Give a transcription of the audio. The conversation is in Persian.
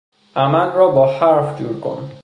عمل را با حرف جورکن.